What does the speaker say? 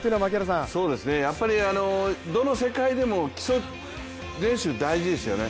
やっぱりどの世界でも基礎練習大事ですよね。